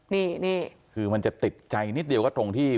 นี่คือมันจะติดใจนิดเดียวก็ตรงที่